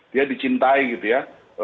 dia dicintai gitu ya